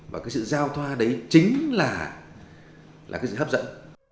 và cái sự giao thoa đấy chính là cái sự hấp dẫn